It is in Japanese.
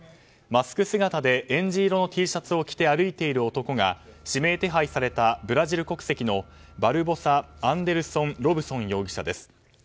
マスク姿でえんじ色のＴシャツ姿で歩いている男が指名手配されたブラジル国籍のバルボサ・アンデルソン・ロブソン容疑者です。